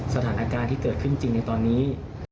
สถานการณ์ที่เกิดขึ้นจริงในตอนนี้